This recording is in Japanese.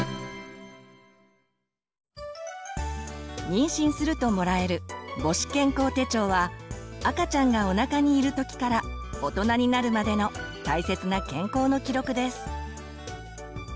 妊娠するともらえる母子健康手帳は赤ちゃんがおなかにいる時から大人になるまでの大切な健康の記録です。